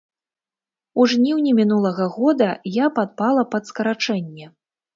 У жніўні мінулага года я падпала пад скарачэнне.